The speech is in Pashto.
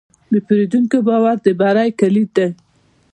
د پیرودونکي باور د بری کلید دی.